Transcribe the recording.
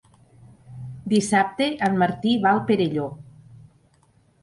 Dissabte en Martí va al Perelló.